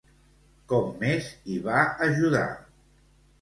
Com més hi va ajudar?